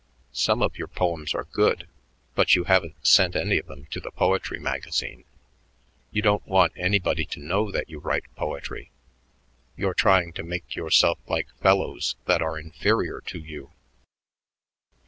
Some of your poems are good, but you haven't sent any of them to the poetry magazine. You don't want anybody to know that you write poetry. You're trying to make yourself like fellows that are inferior to you."